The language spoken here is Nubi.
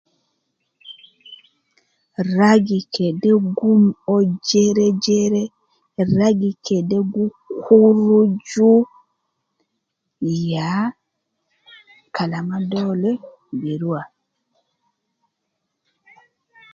Ragi kede gum uwo jere jere, ragi kede gi kuruju, ya kalama dole bi rua